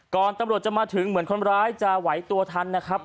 ตำรวจจะมาถึงเหมือนคนร้ายจะไหวตัวทันนะครับ